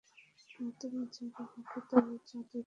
তুই যাবি নাকি তোর চাদর জ্বালিয়ে দেব?